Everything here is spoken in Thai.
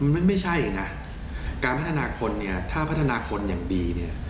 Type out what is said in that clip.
ไม่ใช่การพัฒนาคนถ้าพัฒนาคนอย่างดี